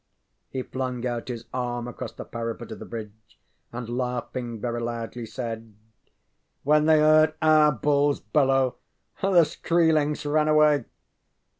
He flung out his arm across the parapet of the bridge, and laughing very loudly, said: ŌĆ£When they heard our bulls bellow the Skroelings ran away!